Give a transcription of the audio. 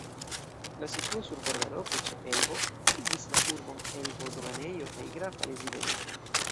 La situo sur borda roko ĉe Elbo igis la urbon Elbo-doganejo kaj grafa rezidejo.